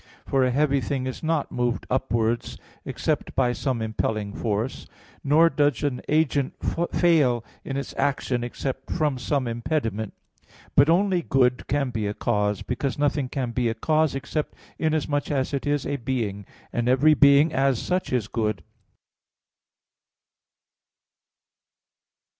For a heavy thing is not moved upwards except by some impelling force; nor does an agent fail in its action except from some impediment. But only good can be a cause; because nothing can be a cause except inasmuch as it is a being, and every being, as such, is good.